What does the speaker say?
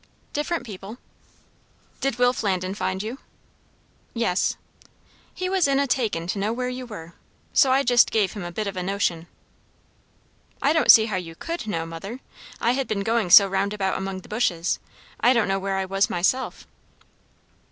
"Different people." "Did Will Flandin find you?" "Yes." "He was in a takin' to know where you were. So I just gave him a bit of a notion." "I don't see how you could know, mother; I had been going so roundabout among the bushes. I don't know where I was, myself."